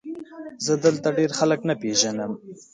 زه دلته ډېر خلک نه پېژنم ؟